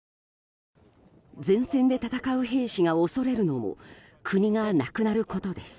前線で戦う兵士が恐れるのも国がなくなることです。